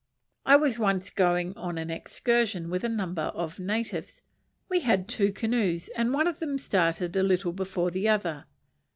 I was once going on an excursion with a number of natives; we had two canoes, and one of them started a little before the other.